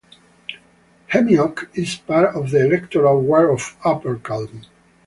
Hemyock is part of the electoral ward of Upper Culm.